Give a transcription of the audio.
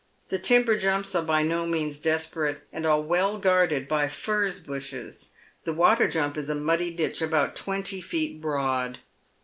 The timber jumps are by no means desperate, and are well guarded by furze bushes ; tHe water jump is a muddy ditch about twenty feet broad.